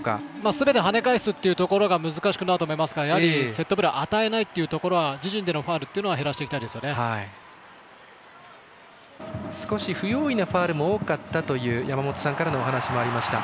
すべて跳ね返すということは難しくなると思いますがやはり、セットプレーを与えないところ自陣でのファウルを少し不用意なファウルも多かったと山本さんからの話もありました。